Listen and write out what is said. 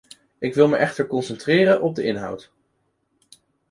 Ik wil me echter concentreren op de inhoud.